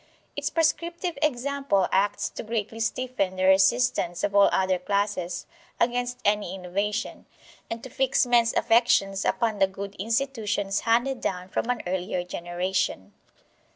Its prescriptive example acts to greatly stiffen the resistance of all other classes against any innovation, and to fix men's affections upon the good institutions handed down from an earlier generation.